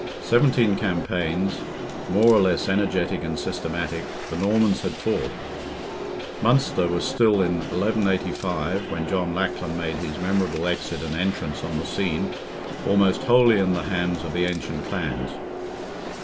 Seventeen campaigns, more or less energetic and systematic, the Normans had fought. Munster was still in 1185—when John Lackland made his memorable exit and entrance on the scene—almost wholly in the hands of the ancient clans.